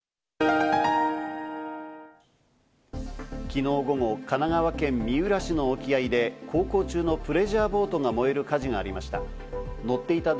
昨日午後、神奈川県三浦市の沖合で航行中のプレジャーボートが燃える火事がありました。